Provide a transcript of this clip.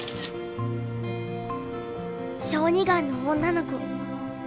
小児がんの女の子。